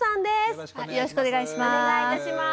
よろしくお願いします。